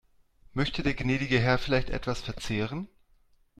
Möchte der gnädige Herr vielleicht etwas verzehren?